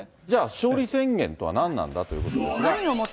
じゃあ、勝利宣言とは何なんだということですが。